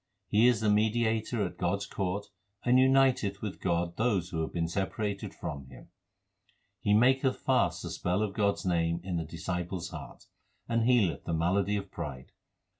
He is the mediator at God s court and uniteth with God those who have been separated from Him. He maketh fast the spell of God s name in the disciples heart, and healeth the malady of pride.